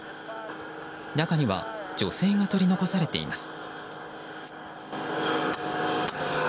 中には女性が取り残されています。